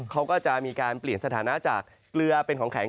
เขาก็จะมีการเปลี่ยนสถานะจากเกลือเป็นของแข็ง